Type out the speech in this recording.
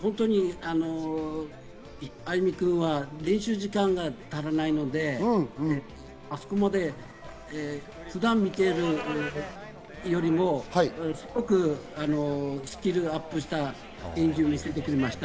歩夢君は練習時間が足らないので、あそこまで普段見ているよりもすごくスキルアップした演技を見せてくれました。